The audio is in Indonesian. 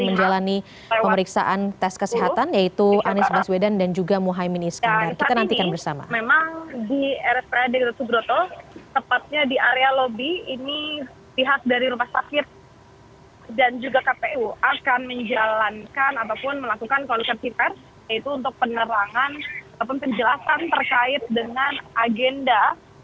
penjelasan terkait dengan agenda